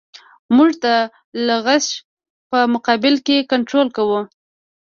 موږ د لغزش په مقابل کې کنټرول کوو